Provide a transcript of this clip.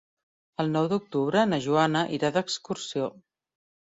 El nou d'octubre na Joana irà d'excursió.